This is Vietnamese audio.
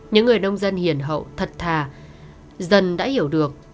những người nông dân hiền hậu thật thà dần đã hiểu được